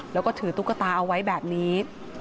แล้วก็ถือตุ๊กตาเอาไว้แบบนี้